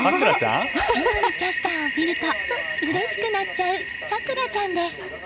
榎並キャスターを見るとうれしくなっちゃう咲良ちゃんです。